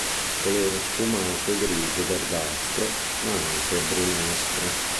Colore sfumato grigio verdastro ma anche brunastro.